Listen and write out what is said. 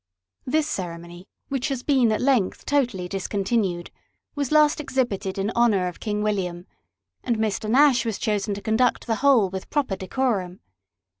This ceremony, which has been at length totally discontinued, was last exhibited in honour of King William, and Mr. Nash was chosen to conduct the whole with proper decorum.